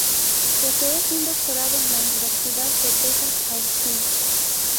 Posee un doctorado de la Universidad de Texas, Austin.